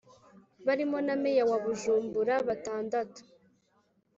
barimo na meya wa bujumbura, batandatu